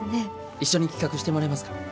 一緒に企画してもらえますか？